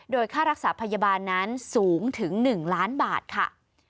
โดยค่ารักษาพยาบาลนั้นสูงถึง๑ล้านบาทค่ะ